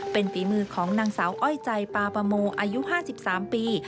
เป็นฝีมือของนางสาวอ้อยใจปาปะโมอายุ๕๓ปี